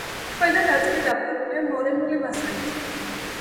ქვედა ნაწილი დაფარულია მორენული მასალით.